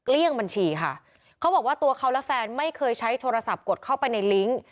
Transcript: เลี่ยงบัญชีค่ะเขาบอกว่าตัวเขาและแฟนไม่เคยใช้โทรศัพท์กดเข้าไปในลิงก์